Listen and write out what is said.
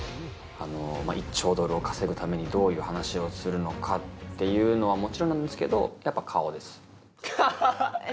１兆ドルを稼ぐためにどうするのかというのはもちろんなんですけどやっぱ顔です。